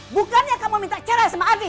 bukannya kamu minta cerai sama ardi